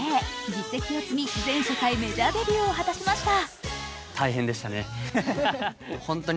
実績を積み、全世界メジャーデビューを果たしました。